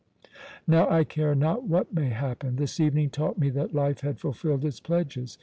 "Now I care not what may happen. This evening taught me that life had fulfilled its pledges.